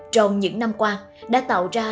trong những năm qua đã tạo ra